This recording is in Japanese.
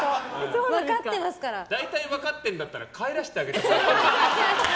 大体分かってんだったら帰らしてあげてよ。